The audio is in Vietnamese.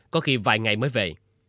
có khi vài ngày mới về